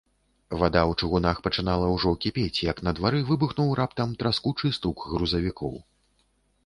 Вада ў чыгунах пачынала ўжо кіпець, як на двары выбухнуў раптам траскучы стук грузавікоў.